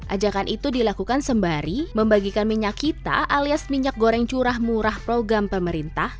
ajakan itu dilakukan sembari membagikan minyak kita alias minyak goreng curah murah program pemerintah